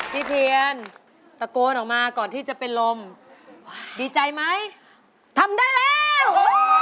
เทียนตะโกนออกมาก่อนที่จะเป็นลมดีใจไหมทำได้แล้ว